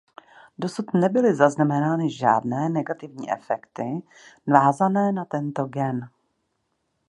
Dosud nebyly zaznamenány žádné negativní efekty vázané na tento gen.